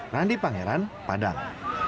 randi pangeran padang